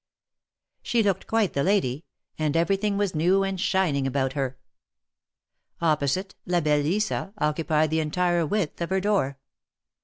She looked quite the lady, and everything was new and shining about her. Opposite, La belle Lisa occupied the entire width of her door.